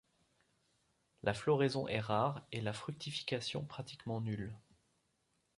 La floraison est rare et la fructification pratiquement nulle.